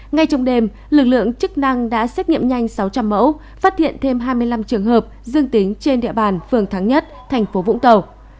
ngay trong đêm lực lượng chức năng đã xét nghiệm nhanh sáu trăm linh mẫu phát hiện thêm hai mươi năm trường hợp dương tính trên địa bàn tp vũng tàu